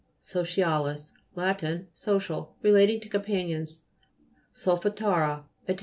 SOCIA'LIS Lat. Social ; relating to companions. SOLFATA'RA It.